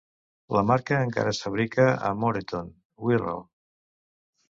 La marca encara es fabrica a Moreton, Wirral.